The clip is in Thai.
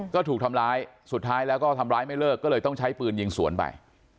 ก็ถูกทำร้ายสุดท้ายแล้วก็ทำร้ายไม่เลิกก็เลยต้องใช้ปืนยิงสวนไป